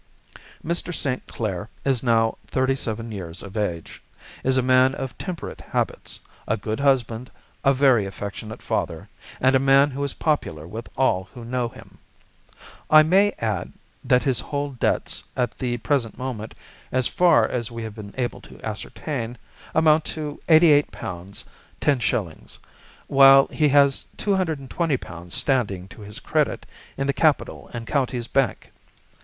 Mr. St. Clair is now thirty seven years of age, is a man of temperate habits, a good husband, a very affectionate father, and a man who is popular with all who know him. I may add that his whole debts at the present moment, as far as we have been able to ascertain, amount to £ 88 10_s_., while he has £ 220 standing to his credit in the Capital and Counties Bank.